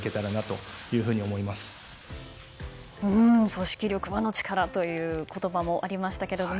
組織力、和の力という言葉もありましたけども。